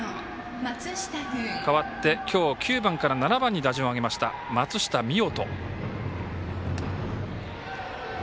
変わって今日９番から７番に打順を上げました、松下水音。